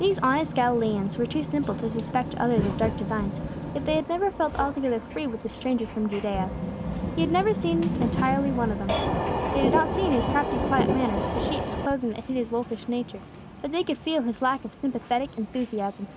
These honest Galileans were too simple to suspect others of dark designs, yet they had never felt altogether free with this stranger from Judea. He had never seemed entirely one of them. They did not see in his crafty quiet manners, the sheep's clothing that hid his wolfish nature; but they could feel his lack of sympathetic enthusiasm.